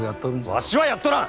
わしはやっとらん！